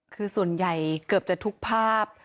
คือส่วนใหญ่เกือบจะทุกภาพ